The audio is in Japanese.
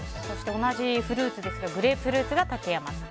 同じフルーツですがグレープフルーツが竹山さん。